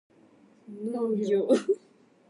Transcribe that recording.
農業